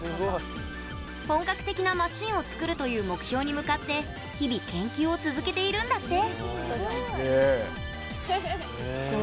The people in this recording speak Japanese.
本格的なマシーンを作るという目標に向かって日々、研究を続けているんだって。